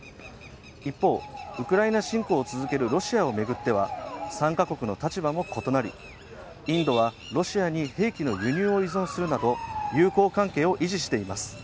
一方、ウクライナ侵攻を続けるロシアを巡っては、参加国の立場も異なり、インドはロシアに兵器の輸入を依存するなど、友好関係を維持しています。